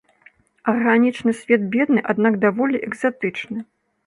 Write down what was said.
Арганічны свет бедны, аднак даволі экзатычны.